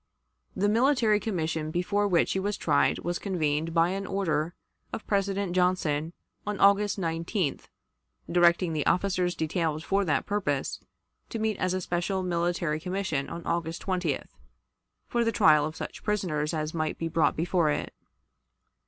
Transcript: The military commission before which he was tried was convened by an order of President Johnson, of August 19th, directing the officers detailed for that purpose to meet as a special military commission on August 20th, for the trial of such prisoners as might be brought before it.